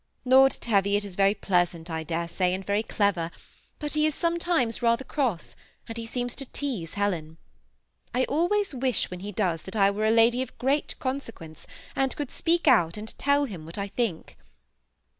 Lord Teviot is very pleasant, I dare saj, and very clever, but he is sometimes rather cross, and he seems to tease Helen. I always wish when he does that I were a lady of great consequence, and could speak out and tell him what I think.